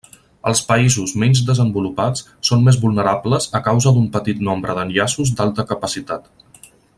Els països menys desenvolupats són més vulnerables a causa d'un petit nombre d'enllaços d'alta capacitat.